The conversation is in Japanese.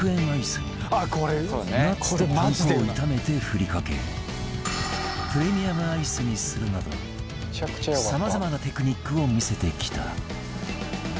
アイスにはナッツとパン粉を炒めて振りかけプレミアムアイスにするなどさまざまなテクニックを見せてきた